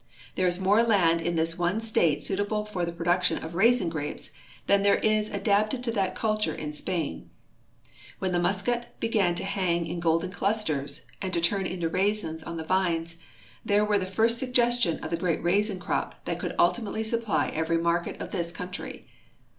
There is more land in this one state suitable for the production of raisin grapes than there is adapted to that culture in Spain. When the Muscat began to hang in golden clusters and to turn into raisins on the vines, there was the first suggestion of the great raisin crop that could ultimately su])ply every market of this country.